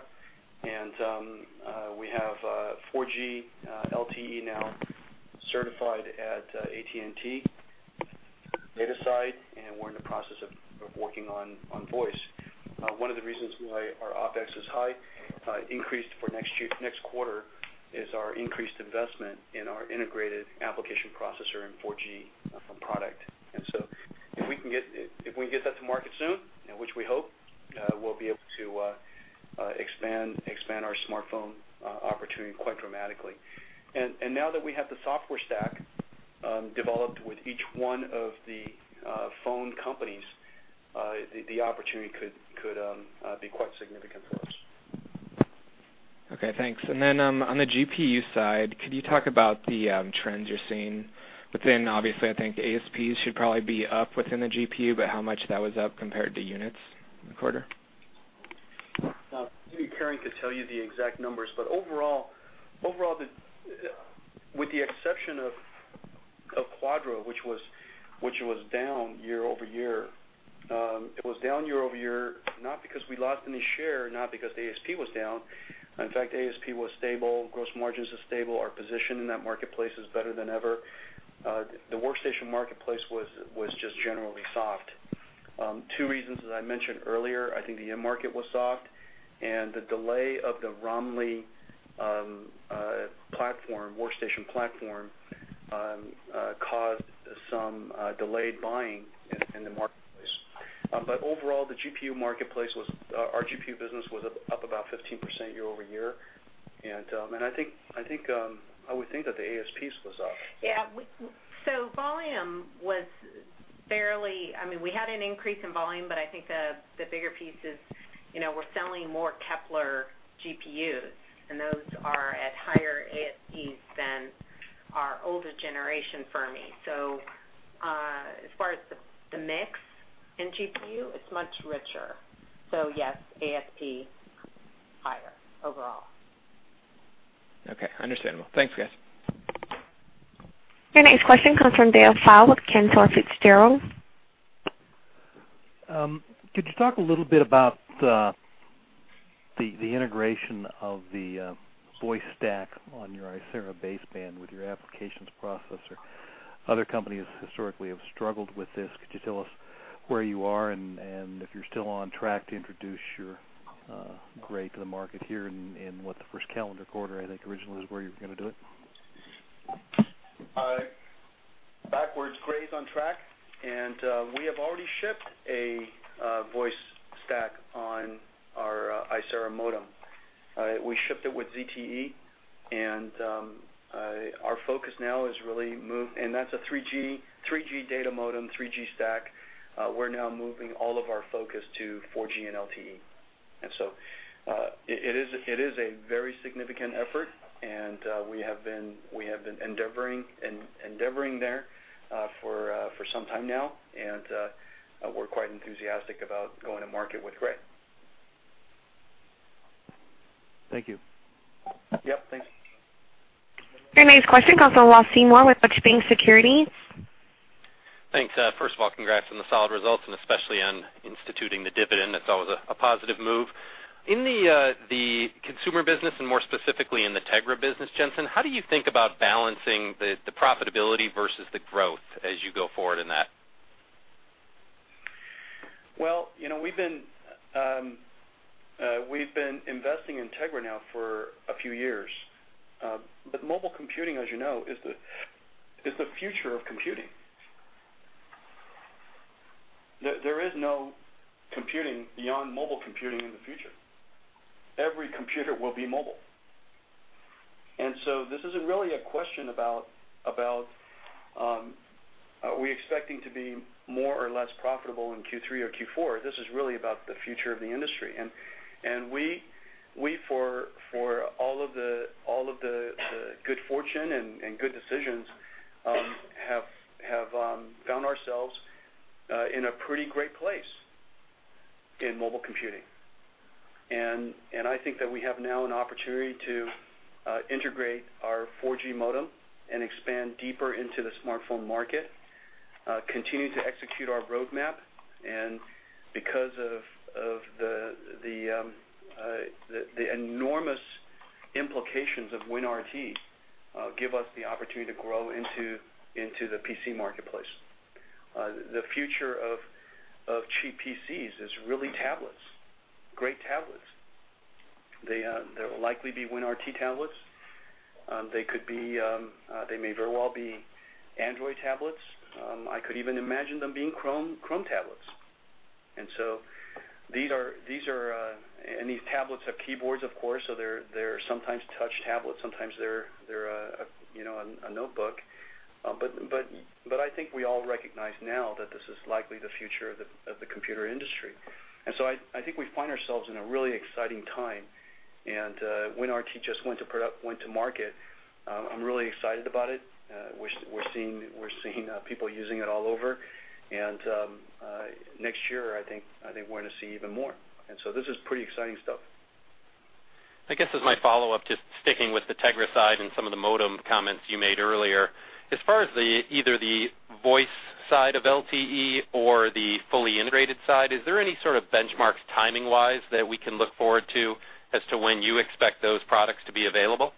We have 4G LTE now certified at AT&T data side, we're in the process of working on voice. One of the reasons why our OpEx is high, increased for next quarter, is our increased investment in our integrated application processor and 4G phone product. If we can get that to market soon, which we hope, we'll be able to expand our smartphone opportunity quite dramatically. Now that we have the software stack developed with each one of the phone companies, the opportunity could be quite significant for us. Okay, thanks. On the GPU side, could you talk about the trends you're seeing within, obviously, I think ASPs should probably be up within the GPU, how much that was up compared to units in the quarter? Maybe Karen could tell you the exact numbers. Overall, with the exception of Quadro, which was down year-over-year, it was down year-over-year, not because we lost any share, not because the ASP was down. In fact, ASP was stable, gross margins was stable. Our position in that marketplace is better than ever. The workstation marketplace was just generally soft. Two reasons, as I mentioned earlier, I think the end market was soft, and the delay of the Romley workstation platform caused some delayed buying in the marketplace. Overall, our GPU business was up about 15% year-over-year, I would think that the ASPs was up. Yeah. Volume was We had an increase in volume, but I think the bigger piece is we're selling more Kepler GPUs, and those are at higher ASPs than our older generation Fermi. As far as the mix in GPU, it's much richer. Yes, ASP higher overall. Okay. Understandable. Thanks, guys. Your next question comes from Dale Pfau with Cantor Fitzgerald & Co. Could you talk a little bit about the integration of the voice stack on your Icera baseband with your applications processor? Other companies historically have struggled with this. Could you tell us where you are and if you're still on track to introduce your Grey to the market here in what, the first calendar quarter, I think originally was where you were going to do it? Grey is on track. We have already shipped a voice stack on our Icera modem. We shipped it with ZTE. That's a 3G data modem, 3G stack. We're now moving all of our focus to 4G and LTE. It is a very significant effort, and we have been endeavoring there for some time now, and we're quite enthusiastic about going to market with Grey. Thank you. Yep. Thanks. Your next question comes from Ross Seymore with Oxbank Securities. Thanks. First of all, congrats on the solid results, and especially on instituting the dividend. That's always a positive move. In the Consumer Products Business, and more specifically in the Tegra business, Jensen, how do you think about balancing the profitability versus the growth as you go forward in that? Well, we've been investing in Tegra now for a few years. Mobile computing, as you know, is the future of computing. There is no computing beyond mobile computing in the future. Every computer will be mobile. This isn't really a question about are we expecting to be more or less profitable in Q3 or Q4. This is really about the future of the industry. We, for all of the good fortune and good decisions, have found ourselves in a pretty great place in mobile computing. I think that we have now an opportunity to integrate our 4G modem and expand deeper into the smartphone market, continue to execute our roadmap, and because of the enormous implications of WinRT, give us the opportunity to grow into the PC marketplace. The future of cheap PCs is really tablets, great tablets. They will likely be WinRT tablets. They may very well be Android tablets. I could even imagine them being Chrome tablets. These tablets have keyboards, of course, so they're sometimes touch tablets, sometimes they're a notebook. I think we all recognize now that this is likely the future of the computer industry. I think we find ourselves in a really exciting time. WinRT just went to market. I'm really excited about it. We're seeing people using it all over. Next year, I think we're going to see even more. This is pretty exciting stuff. I guess as my follow-up, just sticking with the Tegra side and some of the modem comments you made earlier, as far as either the voice side of LTE or the fully integrated side, is there any sort of benchmark timing-wise that we can look forward to as to when you expect those products to be available?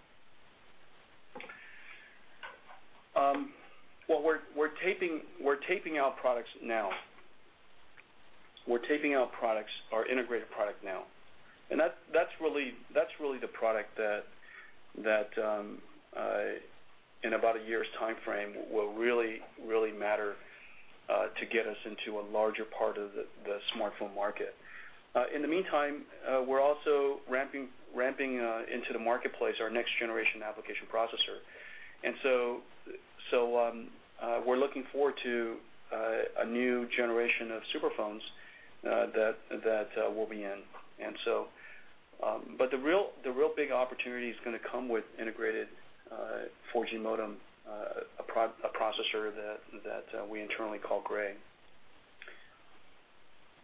Well, we're taping our products now. We're taping our integrated product now, and that's really the product that in about a year's timeframe, will really matter to get us into a larger part of the smartphone market. In the meantime, we're also ramping into the marketplace our next generation application processor. So we're looking forward to a new generation of super phones that we'll be in. The real big opportunity is going to come with integrated 4G modem, a processor that we internally call Grey.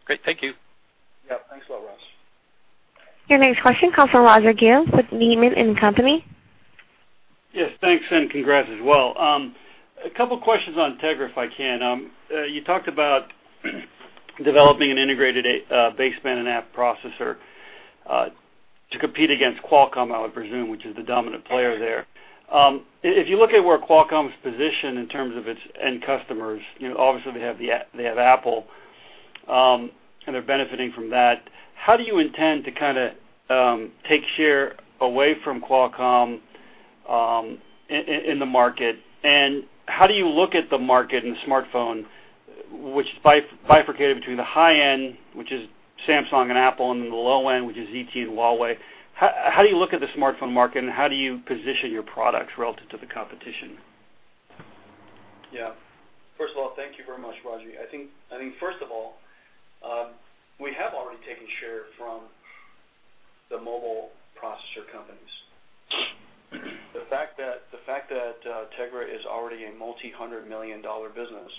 Great. Thank you. Yeah, thanks a lot, Ross. Your next question comes from Rajvindra S. Gill with Needham & Company. Yes, thanks, and congrats as well. A couple questions on Tegra, if I can. You talked about developing an integrated baseband and app processor to compete against Qualcomm, I would presume, which is the dominant player there. If you look at where Qualcomm's positioned in terms of its end customers, obviously they have Apple, and they're benefiting from that. How do you intend to kind of take share away from Qualcomm in the market, and how do you look at the market and smartphone, which bifurcated between the high end, which is Samsung and Apple, and then the low end, which is ZTE and Huawei? How do you look at the smartphone market, and how do you position your products relative to the competition? First of all, thank you very much, Rajvi. I think, first of all, we have already taken share from the mobile processor companies. The fact that Tegra is already a multi-hundred million dollar business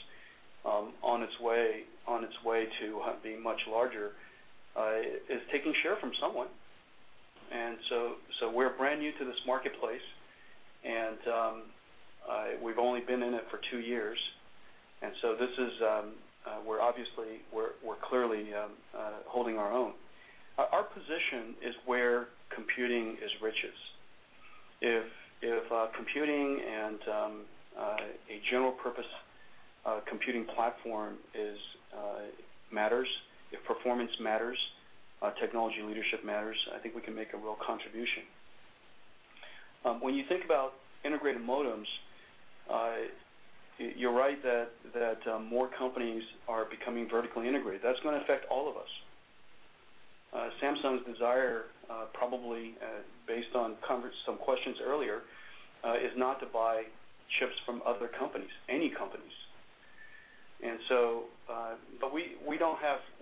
on its way to being much larger is taking share from someone. We're brand new to this marketplace, and we've only been in it for two years, and so we're clearly holding our own. Our position is where computing is richest. If computing and a general purpose computing platform matters, if performance matters, technology leadership matters, I think we can make a real contribution. When you think about integrated modems, you're right that more companies are becoming vertically integrated. That's going to affect all of us. Samsung's desire, probably based on some questions earlier is not to buy chips from other companies, any companies.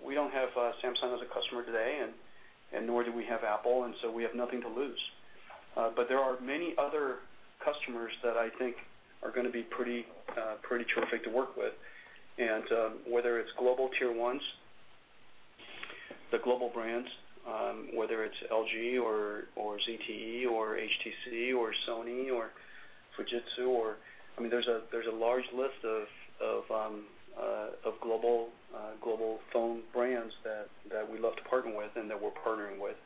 We don't have Samsung as a customer today, and nor do we have Apple, and so we have nothing to lose. There are many other customers that I think are going to be pretty terrific to work with. Whether it's global tier 1s, the global brands, whether it's LG or ZTE or HTC or Sony or Fujitsu. There's a large list of global phone brands that we'd love to partner with and that we're partnering with.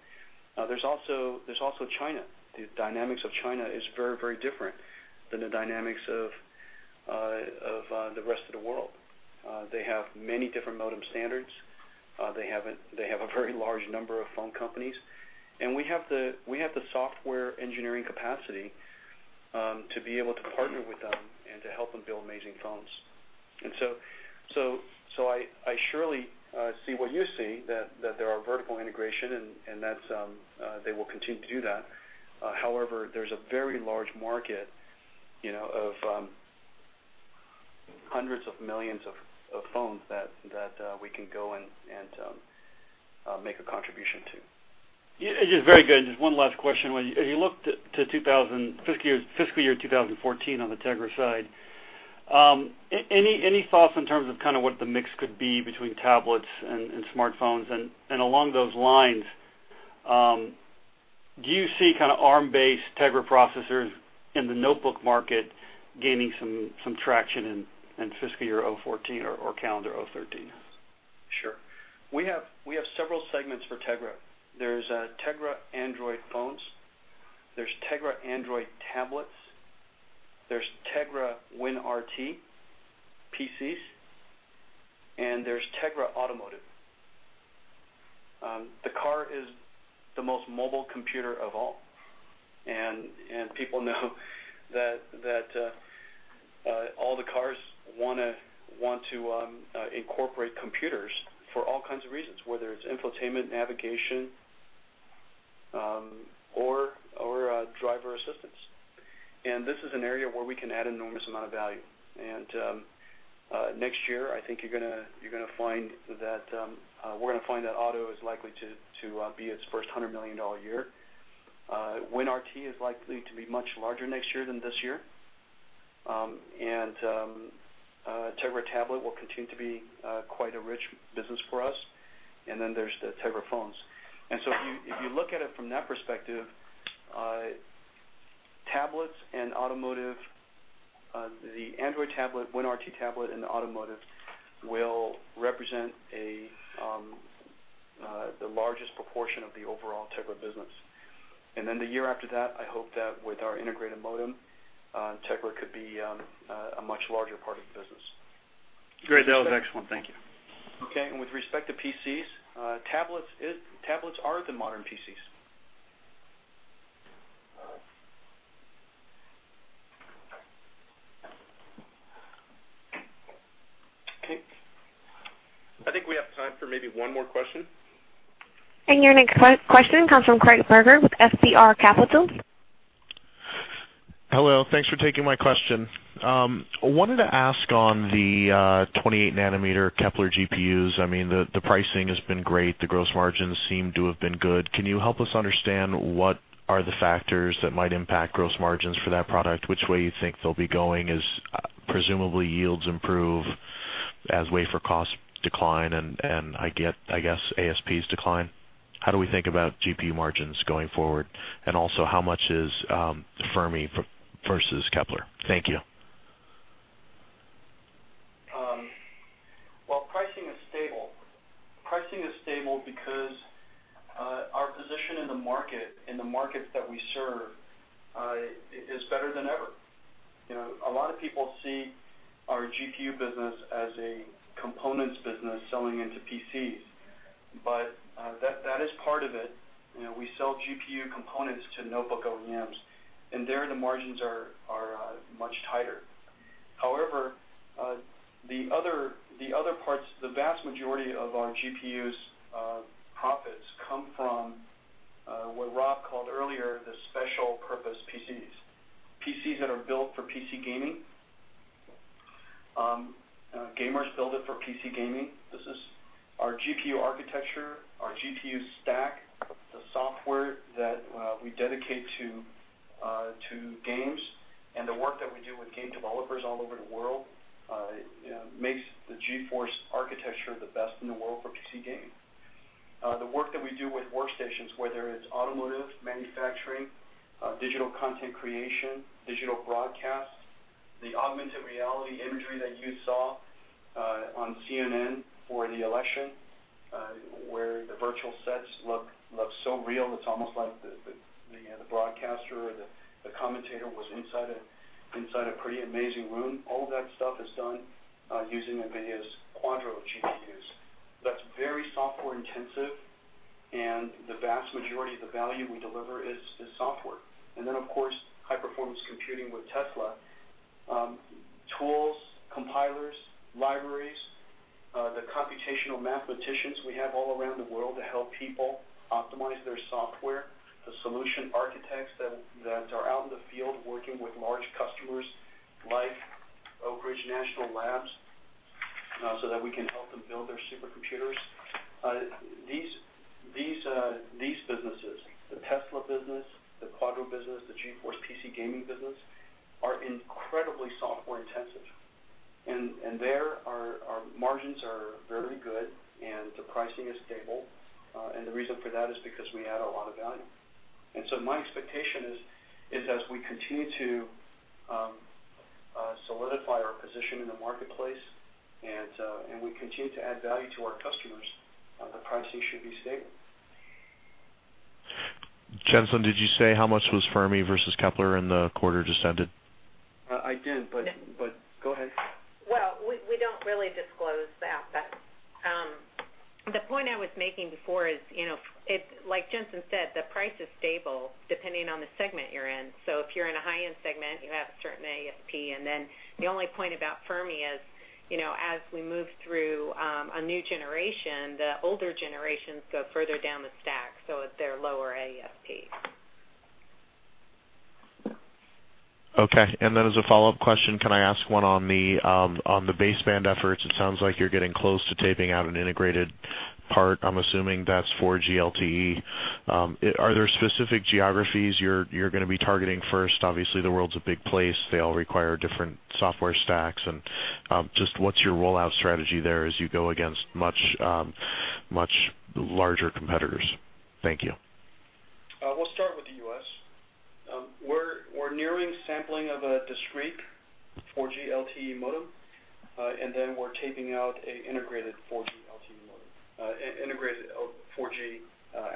There's also China. The dynamics of China is very different than the dynamics of the rest of the world. They have many different modem standards. They have a very large number of phone companies, and we have the software engineering capacity to be able to partner with them and to help them build amazing phones. I surely see what you see, that there are vertical integration and they will continue to do that. However, there's a very large market of hundreds of millions of phones that we can go and make a contribution to. Yeah. Very good. Just one last question. When you look to fiscal year 2014 on the Tegra side, any thoughts in terms of what the mix could be between tablets and smartphones? Along those lines, do you see ARM-based Tegra processors in the notebook market gaining some traction in fiscal year 2014 or calendar 2013? Sure. We have several segments for Tegra. There is Tegra Android phones, there is Tegra Android tablets, there is Tegra WinRT PCs, and there is Tegra automotive. The car is the most mobile computer of all, and people know that all the cars want to incorporate computers for all kinds of reasons, whether it is infotainment, navigation, or driver assistance. This is an area where we can add enormous amount of value. Next year, I think we are going to find that auto is likely to be its first $100 million year. WinRT is likely to be much larger next year than this year. Tegra tablet will continue to be quite a rich business for us. There is the Tegra phones. If you look at it from that perspective, the Android tablet, WinRT tablet, and the automotive will represent the largest proportion of the overall Tegra business. The year after that, I hope that with our integrated modem, Tegra could be a much larger part of the business. Great. That was excellent. Thank you. Okay, with respect to PCs, tablets are the modern PCs. Okay. I think we have time for maybe one more question. Your next question comes from Craig Berger with FBR Capital Markets & Co. Hello. Thanks for taking my question. I wanted to ask on the 28 nanometer Kepler GPUs, the pricing has been great. The gross margins seem to have been good. Can you help us understand what are the factors that might impact gross margins for that product? Which way you think they'll be going as presumably yields improve, as wafer costs decline, and I guess ASPs decline? How do we think about GPU margins going forward? Also, how much is Fermi versus Kepler? Thank you. Well, pricing is stable. Pricing is stable because our position in the market, in the markets that we serve, is better than ever. A lot of people see our GPU business as a components business selling into PCs. That is part of it. We sell GPU components to notebook OEMs, and there, the margins are much tighter. However, the vast majority of our GPU's profits come from what Rob called earlier, the special purpose PCs. PCs that are built for PC gaming. Gamers build it for PC gaming. This is our GPU architecture, our GPU stack, the software that we dedicate to games, and the work that we do with game developers all over the world makes the GeForce architecture the best in the world for PC gaming. The work that we do with workstations, whether it is automotive, manufacturing, digital content creation, digital broadcast, the augmented reality imagery that you saw on CNN for the election, where the virtual sets look so real, it is almost like the broadcaster or the commentator was inside a pretty amazing room. All that stuff is done using NVIDIA's Quadro GPUs. That's very software intensive, and the vast majority of the value we deliver is software. Then, of course, high-performance computing with Tesla. Tools, compilers, libraries, the computational mathematicians we have all around the world to help people optimize their software. The solution architects that are out in the field working with large customers like Oak Ridge National Labs, so that we can help them build their supercomputers. These businesses, the Tesla business, the Quadro business, the GeForce PC gaming business, are incredibly software intensive. There, our margins are very good, and the pricing is stable. The reason for that is because we add a lot of value. My expectation is as we continue to solidify our position in the marketplace, and we continue to add value to our customers, the pricing should be stable. Jensen, did you say how much was Fermi versus Kepler in the quarter just ended? I did, go ahead. We don't really disclose that. The point I was making before is, like Jensen said, the price is stable depending on the segment you're in. If you're in a high-end segment, you have a certain ASP, and then the only point about Fermi is as we move through a new generation, the older generations go further down the stack, so at their lower ASP. Okay. As a follow-up question, can I ask one on the baseband efforts? It sounds like you're getting close to taping out an integrated part. I'm assuming that's for GLTE. Are there specific geographies you're going to be targeting first? Obviously, the world's a big place. They all require different software stacks, and just what's your rollout strategy there as you go against much larger competitors? Thank you. We'll start with the U.S. We're nearing sampling of a discrete 4G LTE modem, and then we're taping out an integrated 4G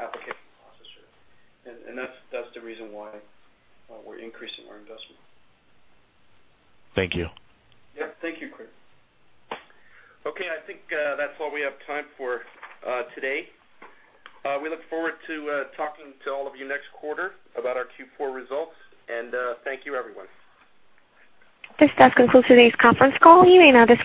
application processor. That's the reason why we're increasing our investment. Thank you. Yep. Thank you, Craig. Okay, I think that's all we have time for today. We look forward to talking to all of you next quarter about our Q4 results. Thank you, everyone. This does conclude today's conference call. You may now disconnect.